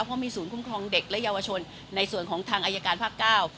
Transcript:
เพราะมีศูนย์คุ้มครองเด็กและเยาวชนในส่วนของทางอายการภาคเก้า